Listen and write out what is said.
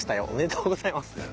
おめでとうございます」。